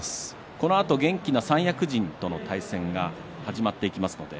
このあと元気な三役陣との対戦が始まっていきます。